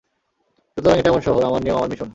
সুতরাং, এটা আমার শহর, আমার নিয়ম, আমার মিশন।